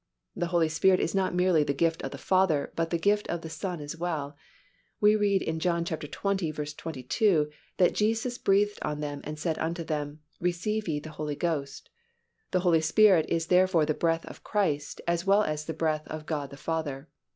_ The Holy Spirit is not merely the gift of the Father, but the gift of the Son as well. We read in John xx. 22 that Jesus "breathed on them and saith unto them, Receive ye the Holy Ghost." The Holy Spirit is therefore the breath of Christ, as well as the breath of God the Father.